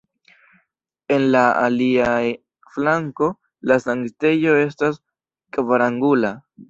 En la alia flanko la sanktejo estas kvarangula.